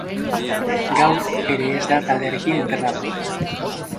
Gaur ere ez da taldearekin entrenatu.